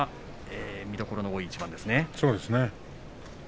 見どころの多い一番ですね。